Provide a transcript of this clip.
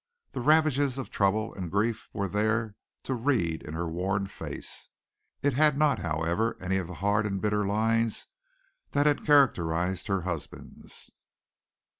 The ravages of trouble and grief were there to read in her worn face; it had not, however, any of the hard and bitter lines that had characterized her husband's.